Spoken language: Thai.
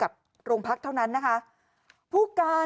อ้อฟ้าอ้อฟ้าอ้อฟ้า